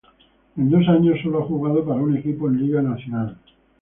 En dos años solo ha jugado para un equipos en Liga Nacional